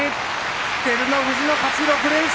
照ノ富士の勝ち、６連勝。